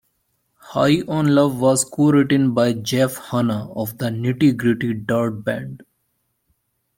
"High on Love" was co-written by Jeff Hanna of the Nitty Gritty Dirt Band.